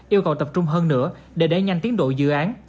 yêu cầu tập trung hơn nữa để đẩy nhanh tiến độ dự án